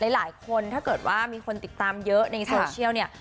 หลายคนถ้าเกิดว่ามีคนติดตามเยอะในโซเชียลเนี่ย